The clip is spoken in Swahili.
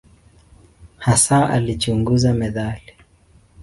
Hasa alichunguza metali.